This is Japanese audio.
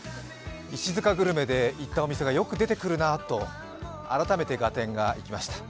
石塚グルメで行ったお店がよく出てくるなと改めて合点がいきました。